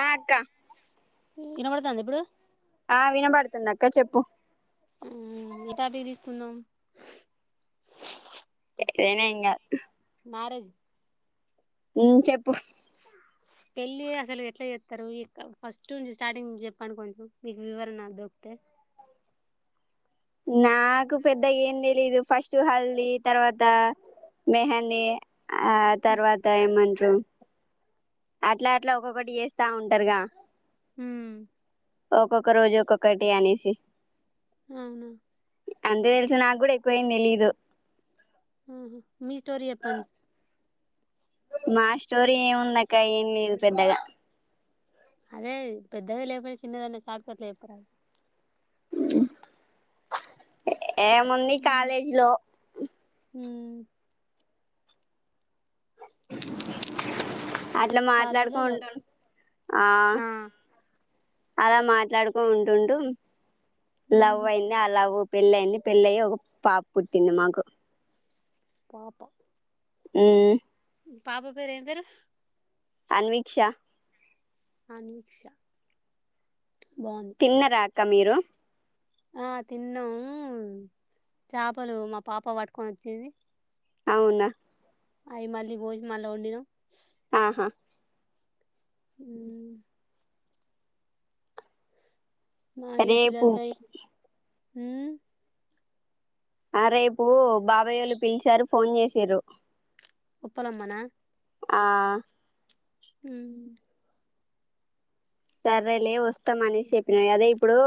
ఆ అక్క ఇనబడతాందా ఇప్పుడు ఆ వినబడుతుంది అక్క చెప్పు మ్మ్ ఏ టాపిక్ తీసుకుందాం ఏదైనా ఇంకా మ్యారేజ్ హూ చెప్పు పెళ్ళి అసలు ఎట్లా చేత్తరు ఇ ఫస్ట్ నుంచి స్టార్టింగ్ నుంచి చెప్పు కొంచెం నీకు వివరణ దొర్తే నాకు పెద్ద ఏం తెలీదు ఫస్ట్ హల్ది తర్వాత మెహంది ఆ తర్వాత ఏమంటూ [inaudible] అట్లా అట్లా ఒక్కొక్కటి చేస్తా ఉంటారుగా. మ్మ్ ఒక్కొక్క రోజు ఒక్కొక్కటి అనేసి. ఆహా అంతే తెలుసు నాకు కూడా ఎక్కువ ఏం తెలీదు ఉమ్మ్ మీ స్టోరీ చెప్పండి మా స్టోరీ ఏముందక్క ఏం లేదు పెద్దగా. అదే పెద్దగా లేకపోయిన చిన్నదన్న షార్ట్ కట్ లా చెప్తారాదు [unintelligible] ఏముంది కాలేజ్ లో అట్లా కాలేజీలో లవ్ మాట్లాడుకొంటం ఆ అలా మాట్లాడుకుంటూ లవ్ ఉహు. అయింది ఆ లవ్ పెళ్ళయింది పెళ్లయి ఒక పాప పుట్టింది మాకు పాప ఉమ్ పాప పేరు ఏం పేరు. అన్విక్ష అన్విక్ష తిన్నరాక్ క్క మీరు ఆ తిన్నాము చేపలు మా పాప పట్టుకొని వచ్చింది. అవునా అయి మళ్లీ గోసి మళ్ళ వండినం హా హమ్ మా అయ్య రేపు పిల్లర్తే ఉమ్ ఆ రేపు బాబాయ్య వాళ్ళు పిలిచారు ఫోన్ చేసిర్రు ఉప్పలమ్మనా ఆహ్ ఉహు సరేలే వస్తాం అని సెప్పిన అదే ఇప్పుడు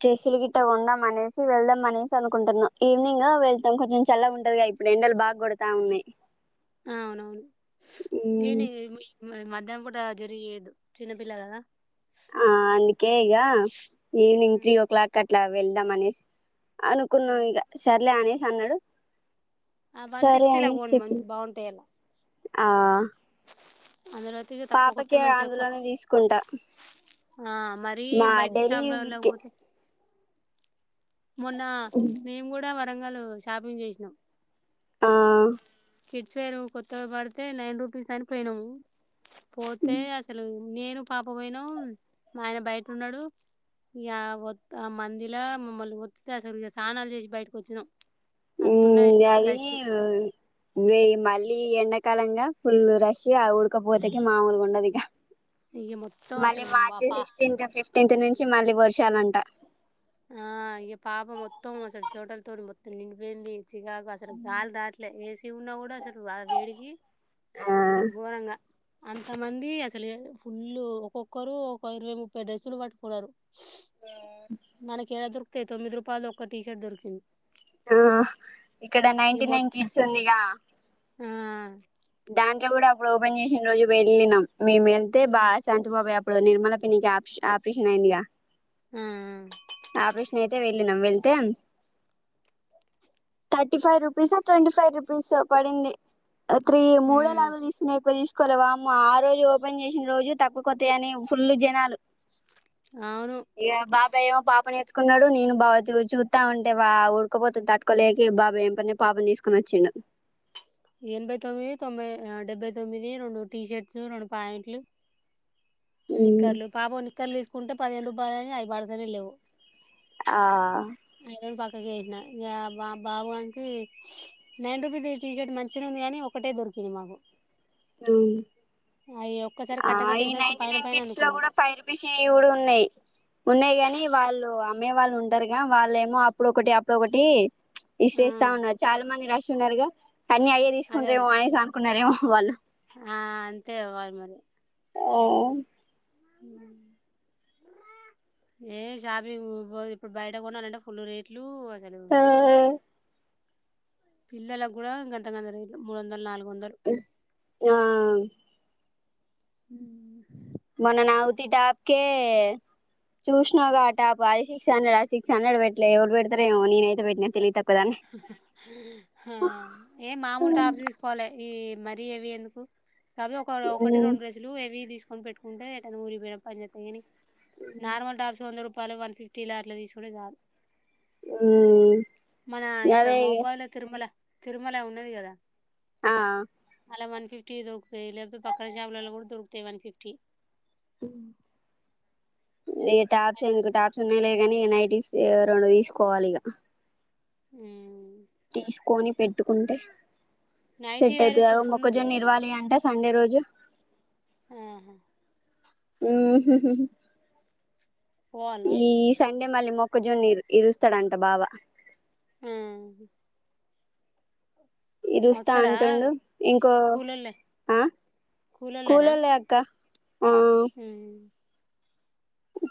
డ్రెస్సులు గిట్ట కొందాం అనేసి వెళ్దాం అనేసి అనుకుంటున్నా ఈవినింగ్ వెళ్తాం కొంచెం చల్లగా ఉంటదిగా ఇప్పుడు ఎండలు బాగా కొడతా ఉన్నాయి ఆ అవునవును మ్మ్ మధ్యానం పూట జరిగదు చిన్నపిిల్ల కదా ఆ అనీ కేగా ఈవనింగ్ హ్మ్. త్రీ ఓ క్లాక్ కట్ ఇట్లా వెళ్దాం అనేసి అనుకున్నాం హ్మ్. ఇక సర్లే అనేసి అన్నాడు ఆ వన్ సరే సిక్స్టీ లా అనేసి పోండి మ చెప్పిన బాగుంటాయిలా ఆ అందులో తిరిగి తక్కువ కొత్తే పాపకి మంచి ఎక్కువ అందులోనే తీసుకుంటా ఆ మరీ మా బయిట డైలీ షాపులల యూజ్కి పోతె మొన్న మేము కూడా వ వరంగల్ లో షాపింగ్ చేసినాం ఆహ్ కిడ్స్ వేరు కొత్తగా పడితే నైన్ రూపీస్ అనిపోయినాము పోతే అసలు నేను పాప పోయినం మా ఆయన బయట ఉన్నడు ఈ ఆ వత్త మందిలా మమ్మల్ ఒత్తె అసలు సానాలు చేసి బయటకి వచ్చినం ఊ అది వెయ్ మ [unintelligible] ఈ ఎండాకాలంగా ఫుల్ రష్ ఆ ఉడకపోతేకి మాముూలుగా ఉండదిక ఇగ మొత్తం మళ్ళీ అసలు మా మార్చి పా సిక్స్టీన్త్ ఫిఫ్టీన్త్ నుంచి చి మళ్లీ వర్షాలంట ఆ ఇక పాప మొత్తం అసలు చమటలతో మొత్తం నిండి పోయింది చికాకు అసలు గాలి రాట్లే ఏసి ఉన్నా కూడా అసలు ఆ వేడికి ఆ అసలు ఘోరంగా అంతమంది అసలు ఫుల్లు ఒక్కొక్కరు ఒక ఇరవై ముప్పై డ్రెస్సులు పట్టుకున్నారు ఆ ఎడ దొకుతతే తొమ్మిది రూపాయలు ఒక టీషట్ దొరికింది ఆ ఇక్కడ ఈ నయింటి నైన్ మొత్తం కిడ్స్ ఉందిగా ఆ దాంట్లో కూడా అప్పుడు ఓపెన్ చేసిన రోజు వెళ్ళినాం మేం వెల్తే బా శాంతి బాబాయి ఇప్పుడు నిర్మల పిన్నికి అప్ష్ ఆప్రీషన్ అయిందిగా ఆ ఆపరేషన్ అయితే వె వెళ్తే థర్టీ ఫైవ్ రూపీసో ట్వంటీ ఫైవ్ రూపీ సో పడింది త్రి మూడో ఉమ్ నాలుగో తీసునీకిపోయ్ కొలవామ్మ ఆ రోజు ఓపెన్ చేసిన రోజు తక్కువ కొత్తయి అని ఫుల్ జనాలు అవును ఇ బాబాయ్ ఏమో పాపని చూసుకున్నాడు నేను బాబ చూస్తా ఉంటే వా ఊడకపోతే తట్టుకోలేక బాబాయ్ ఏం పడినే పాపని తీసుకొని వచ్చిండు ఎనభై తొమ్మిది తొంభై డెబ్బై తొమ్మిది రెండు టీ షర్ట్స్ రెండు పాయింట్లు మ్మ్ నిక్కర్లు బాబు నిక్కర్లేసుకో కుంటే పదిహేను రూపాయలని అయ్యి పడుతనే లేవు ఆ [unintelligible] ఇక బాబు గానికి నైన్ రుపీస్ టీషర్ట మంచినే ఉంది గాని ఒకటే దొరికింది మాకు ఉ అయి ఒక్కసారి కట్ట ఆయనై కట్టేసరికి పైన నైన్ పైన కిట్స్ లో అందుకున్నాడు. కూడా ఫైవ్ రూపీస్ కూడా ఉన్నాయి ఉన్నాయి గాని వాళ్ళు అమ్మే వాళ్ళు ఉంటారుగా వాళ్లేమో అప్పుడు ఒకటి అప్పుడు ఒకటి ఆ విసిరేస్తా ఉన్నారు చాలా మంది రష్ చున్నారుగా అన్ని అయ్యే అదే అదే తీసుకుంట్రేమో అనేసి అనుకున్నారేమో వాళ్లు ఆ అంతే వాళ్లు మరి ఓ ఏ షాపింగ్ ఇప్పుడు బయట కొనాలంటే ఫుల్ రేట్లు జలుబు ఆ పిల్లలకు కూడా గంత గంత రేట్లు మూడు వందలు నాలుగు వం ఉమ్ ఆ ఉమ్ మొన్న నాఉతి టాప్కే చూసినావ్గా ఆ టాప్ అది సిక్స్ హండ్రెడ్ అది సిక్స్ హండ్రెడ్ పెట్లే ఎవరు పెడతారేమో నేనయితే పెట్టినా తెలివితకు ఆ ఏ మామూలు టాప్స్ తీసుకోవాలె ఈ మరి హెవీ ఎందుకు కాపోతే ఒక-ఒకటి మ్మ్ రెండు డ్రెస్లు హెవీగా తీస్కో కొని పెట్టుకుంటే ఏటైనా ఊరికి పోయినప్పుడు పని చెత్తయని నార్మల్ టాప్స్ వంద రూప్ పలు వన్ ఫిఫ్టీలో అట్ల తీసుకుంటే చాలు ఉమ్ మన ఇక్కడ మోబైల తిరుమల తిరుమల ఉన్నది కదా ఆ అలా వన్ ఫిఫ్టీ దొరుకుతాయి లేకపోతే పక్కన షాపులలో కూడా దొరుకుతాయి వన్ ఫిఫ్టీ ఉమ్ ఈ టాప్స్ ఎందుకు టాప్స్ ఉన్నాయి లే గానీ నైట్ స్ రెండు తీసుకోవాలిగా ఉమ్ తీసుకొని పెట్టుకుంటే నైటీ సెట్ వేర్ ఇప్పుడు అవుతది ఫుల్లు. మొక్కజొన్న నిరివాలి అంటే సండే రోజు ఆహా ఉమ్ హుహుహు పోవాలా? ఈ సండే మళ్ళీ మొక్కజొన్న ఇరు-ఇరుస్తాడంట బావ ఆ హ ఇరుస్తా అంటుండు ఇంకో కూలోళ్ళే ఆ కులోల్లే అక్క ఆ ఉమ్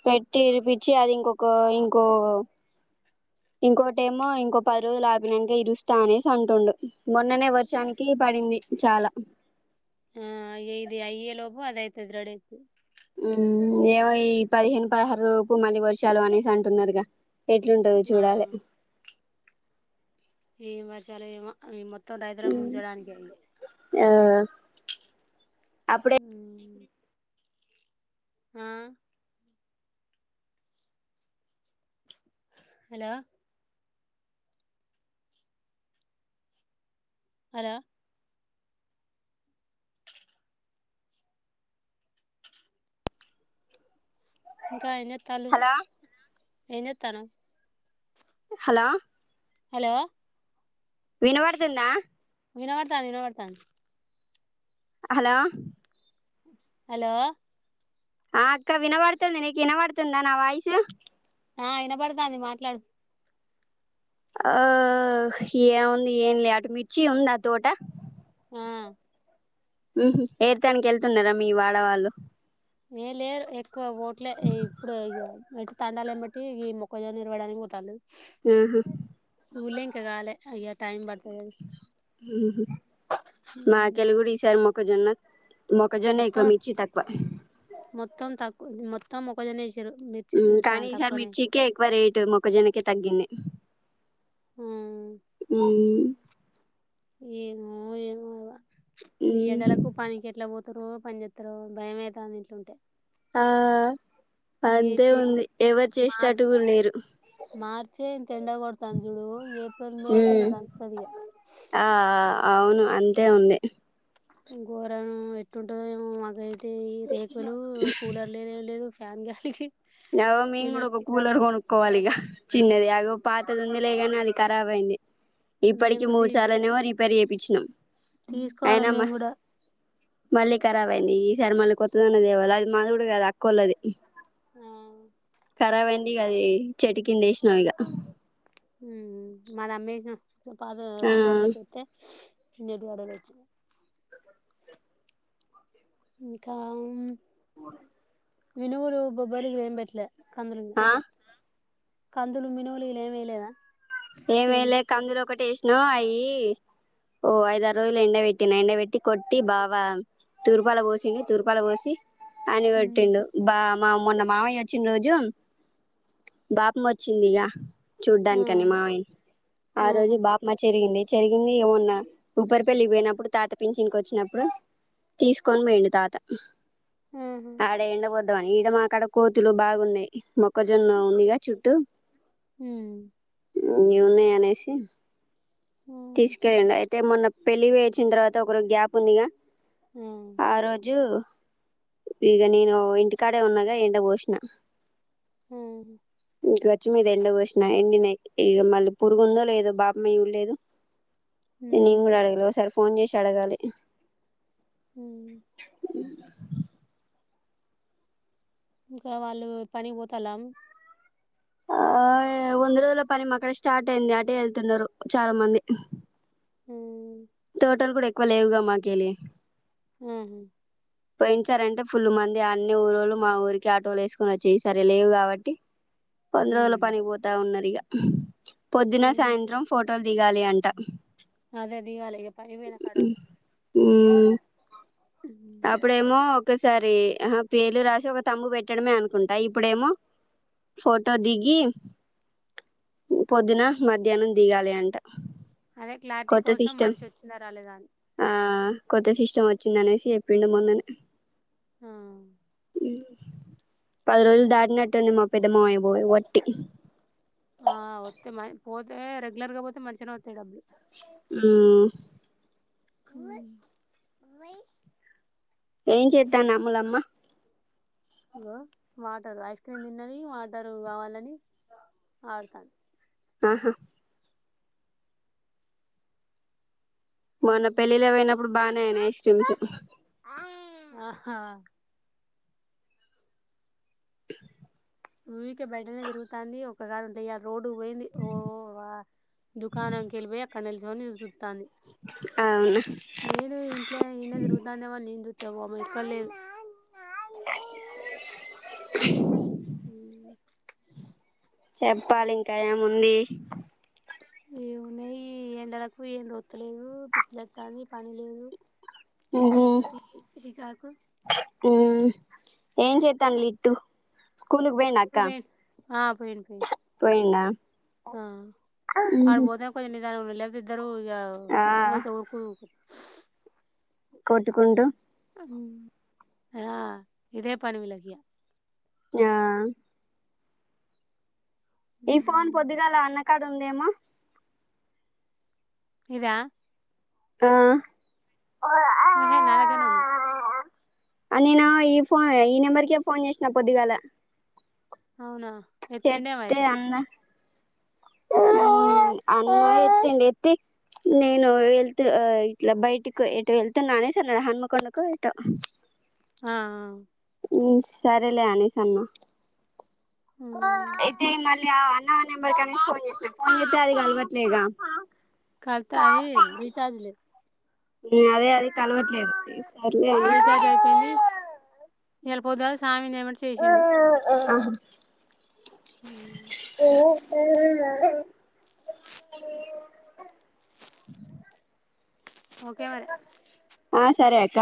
పెట్టి ఇరిపచ్చి అది ఇంకొక ఇంకో ఇంకోటెమో ఇంకో పది రోజులు ఆపినక ఇరుస్తా అనేసి అంటుండు మొన్ననే వర్షానికి పడింది చాలా ఆ ఇగ ఇది అయ్యే లోపు అదైతది రెడి అయితది ఉమ్ ఏమో ఈ పదిహేను పదహారు లోపు మళ్ళీ వర్షాలు అనేసి అంటున్నారుగా ఎట్లుంటది ఆ చూడాలె ఏం వర్షాలో ఏమో అవి మొత్ త్తం దరిద్రం ముంచడానికే అయి ఆ అప్పుడే ఆ హలో హలో ఇంకా ఏం తలు హలో ఏం చేతనవ్ హలో హలో వినబడుతుందా వినపడతండి వినపడతండి హలో హలో ఆ అక్క వినబడుతుంది నీకు వినబడుతుందా నా వాయిసు ఆ వినపడత అంది మాట్లాడు ఆ ఏం ఉంది ఏం లే ఆటుమిర్చి ఉంద ఆ తోట ఆ ఏరితేనికి వెళ్తున్నారా మీ వాడవాళ్ళు ఏం లేదు ఎక్కువ ఓట్లే ఇప్పుడు అ తండాలు ఏమ్మాటి ఈ మొక్కజొన్న ఇరవడానికి పోతారు ఆహా ఇంకా రాలే అయ్యా టైమ్ పడుతు మాకలుగూడు ఈసారి మొక్కజొన్న మొక్కజొన్న ఎక్కువ మొత్తం మిర్చి తక్కువ మొత్తం తక్కు మొత్త మొత్తం మొక్కజొన్న వేసిండ్రు కానీ ఈసారి మిర్చికే ఎక్కువ రేటు మొక్కజొన్నకే తగ్గింది ఆ అ ఏమో ఏమో ఇంక ఈ ఉమ్ ఎండలకు పని కేట్లా పో ఎప్పుడు పనిస్తారో భయమవుతాది ఇట్ల ఉంటే ఆ అంతే ఇప్పుడు ఉంది ఎవరు మార్చి చేసేటట్టు కూడా లేరు మార్చే ఇంత ఎండ కొడుతాంది కూడ చూడు ఏప్రిల్ మే అంటే ఇక ఉమ్ దంచుతాది ఇక ఆ అవును అంతే ఉంది గోరం ఎట్టుంటదో అద ఈ రేకులు కూలర్ లేదు ఎం లేదు [unintelligible] నవ పిల్లలు మేముకూడ చికాకు కూలర్ కొనుకోవాలిగ చిన్నది అగ పాతది ఉంది లేగాని అది కారాబు అయింది మేము ఇప్పటికి కూడా మూడు తీస్ చాలనేవరి రిపేర్ చేయిపించినాం తీసుకోవాలి మేము కూడా మళ్లి కారాబైంది ఈ సరే మళ్ళా కొత్తదైన తేవాల మాది కూడా కాదు అక్కొళది ఆ ఖరాబ్ అయిందిక అది చెటు కింద వేసినాము ఇక హ్మె మాది అమ్మేసాం పాత ఆ ఉల్లిగడ్డల కైతే [unintelligible] వచ్చ ఇంకా ఊ వినూరు బబ్బరు ఏం బేట్ల కందులు ఆ కందులు మినుములు ఇలా ఏమీ ఎలేదా ఏమైలే కందులు ఒకటి ఎష్నామ్ అయయిి ఓ ఐద ఆారు రోజులు ఎండ పెట్టినా ఎండబట్టి కొట్టి బావా తూరుపాల పోసిండి తూరుపాల పోసి అనివతిండూ బా మా మొన్న మావయ్య వచ్చిన రోజు బాపం వచ్చింది ఇక ఆ చూడ్డానికని మా ఆ రోజు ఆహా బాపమ జరిగింది జరిగింది ఏమన్నా ఊబరి పెళ్లిి పోయినప్పుడు తాత పింంచిన్కొచ్చినప్పుడు తీసుకొని పోయండు తాత ఆహా ఆడ ఏండ పోద్ అని ఈడ మా కాడా కోతులు బాగున్నాయి మొ క్కజొన్న ఉందిగా చుట్టూ హ్మ్ నూనే అనేసి ఆహా తీస్కేలేండు ఐ తే మొన్న పెళ్ళి వేచిన తర్వాత ఒకరు గ్యాప్ ఉందిగా ఆ రోజు ఈగ నేను ఇంటికాడే ఉన్నగా ఎంట భోశణ హ్మ్ ఇ వర్చ్చి మీద ఎండ పోసినా ఎండి న ఇక మళ్ళీ పురుగుందో లేదో బాబమ్మ ఇవ లేదు నేన్ ఉమ్ కూడా అడగ ఒక సారి ఫోన్ చేసి అడగాలి ఉం ఇంకా వాళ్ళు పని పోతల్ల ఆ వంద రోజుల పని మా అక్కడ స్టార్ట్ అయింది. అటే వెళ్తున్నారు చాలా మంది ఉం తోటల్ లేవుగా మాకెల్లి ఆ పోయిన సారి అంటే ఫుల్ మంది అన్ని ఊర్ళ్ళ మా ఊరికి ఆటోలు వేసుకుని వచ్చా ఈ సరే లేవు కాబట్టి కొంద రోజుల ఉమ్ పనిపోతా ఉన్నారు ఇక పొద్దున అవును సాయంత్రం ఫోటోలు దిగాలి అంట. అదే దిగాలే పోయిన కాడ ఉమ్ ఉమ్ అప్పుడేమో ఒకసారి పేర్లు రాసి ఒక తమ్బు పెట్టడమే అనుకుంటా ఇప్పుడేమో ఫోటో దిగి పొద్దున మధ్యాహ్నం దిగాలి. అదే క్లారిటీ కొత్త కోసం సిస్టమ్ మనిషి వచ్చిందా రాలేదా అని. ఆ కొత్త సిస్టమ్ వచ్చిందనేసి చేపిండు మొన్ననే ఆ పది రోజులు దాటినట్టుంది. మా పెద్ద మామయ్య పో పోబట్టి ఆ వతే మా పోతే రెగ్యులర్ గా పోతే మంచిగా వతయి డబ్బులు. ఉమ్ [unintelligible] ఏం చెత్తంది అమ్ములమ్మ. ఇగో వాటరు ఐస్ క్రీమ్ తిన్నది వాటరు కావాలని ఆడుతంది. ఆహా మొన్న ఆడతాంది పెళ్లిళ్లకి పోయినప్పుడు బానే అయినాయి ఐస్ క్రీమ్స్. ఆహా ఊకే బయటనే తిరుగుతాంది. ఒక కాడ ఉంటే రోడ్డు పోయింది ఓ దుకాణంనికి వెళ్ళిపోయి అక్కడ నిల్చొని చుతాంది. అవునా నేను ఇంట్లో ఇన్న తిరుగుతుందని నేను ఎక్కడ లేదు. [inaudible] చెప్పాలి ఇంకా ఏముంది. ఏమున్నాయి ఎండలకు ఏం తోస్తలేదు పిచ్చి లేతంది పని లేదు. ఉహు పిల్లలతోటి చికాకు ఉమ్ [unintelligible] పోయిండా అక్క ఆ పోయిండు పోయిండు పోయిండా వాడు ఉహు పోతానే కొంచెం లేకపోతే ఇద్దరూ ఆ ఊకే ఉరుకుడు. కొట్టుకుంటూ హు ఆ ఇదే పని వీళ్ళకీయ యా ఈ ఫోన్ హ్మ్. పొద్దుగాల అన్నక్ కడుందేమో ఇదా ఆ నేహే నా దగ్గరనే ఉంది ఆ నేను ఈ ఫోన్ ఈ నెంబర్కే ఫోన్ చేసిన పొద్దుగాల అవునా ఎత్తిండేమో చెతే అయితే. అన్న హుహ్ అన్నయే ఎంతిండు ఎత్తి నేను వెళ్తు ఇట్లా బయటికు ఎటు వెళ్తున్నా అనేసి అన్నాడు హన్మకొండకో ఎటో హాఆఆ హుమ్ సరేలే అనేసి అన్న హ్మ్. అయితే మళ్లీ అవ్ అనవన్ నెంబర్కని ఫోన్ చేసిన ఫోన్ చేతే అది కలవట్లేగా కాళ్తా అది రీఛార్జ్ లే ఉహ్ అదే అది కలవట్లేదు. ప్లీజ్ రీచార్జ్ అయిపోయింది. ఇలా పొద్దుగాల సామిన్ ఏమంట చేశిడు అహ్ ఓ ఓ ఆ ఒకే మరే ఆ సరే అక్క